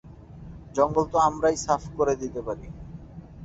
জঙ্গল তো আমরাই সাফ করে দিতে পারি।